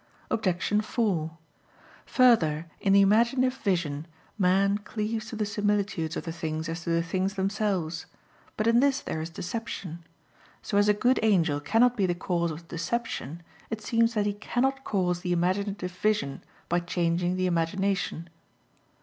Obj. 4: Further, in the imaginative vision man cleaves to the similitudes of the things as to the things themselves. But in this there is deception. So as a good angel cannot be the cause of deception, it seems that he cannot cause the imaginative vision, by changing the imagination.